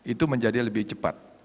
itu menjadi lebih cepat